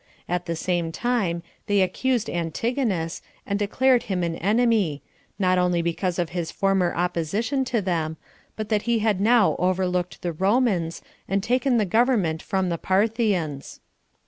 At the same time, they accused Antigonus, and declared him an enemy, not only because of his former opposition to them, but that he had now overlooked the Romans, and taken the government from the Parthians.